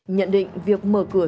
nhận định việc mở cửa thị trường